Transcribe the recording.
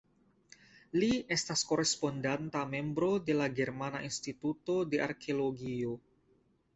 Li estas Korespondanta Membro de la Germana Instituto de Arkeologio.